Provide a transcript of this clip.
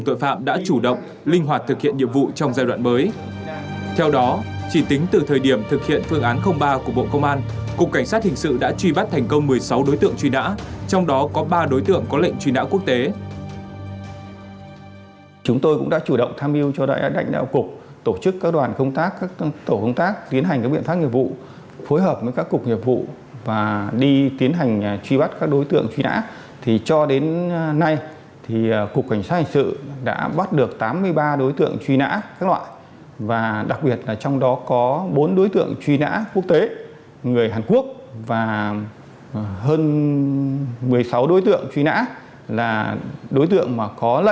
theo đó chỉ tính từ thời điểm thực hiện phương án ba của bộ công an cục cảnh sát hình sự đã truy bắt thành công một mươi sáu đối tượng truy nã trong đó có ba đối tượng có lệnh truy nã quốc tế